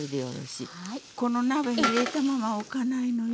この鍋に入れたまま置かないのよ。